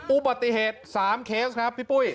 อุบัติเหตุ๓เคสครับพี่ปุ้ย